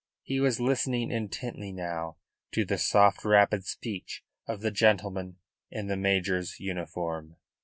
He was listening intently now to the soft, rapid speech of the gentleman in the major's uniform.